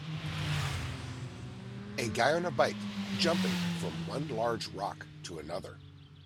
a guy on a bike jumping from one large rock to another